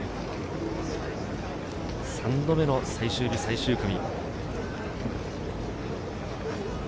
３度目の最終日・最終組。